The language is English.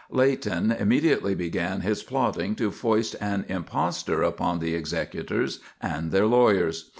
Leighton immediately began his plotting to foist an impostor upon the executors and their lawyers.